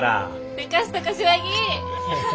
でかした柏木！